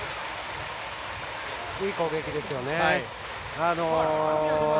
いい攻撃ですよね。